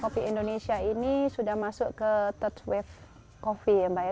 kopi indonesia ini sudah masuk ke third wave coffee ya mbak ya